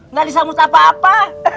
nggak disamus apa apa